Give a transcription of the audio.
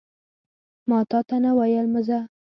ماتاته نه ویل مه ځه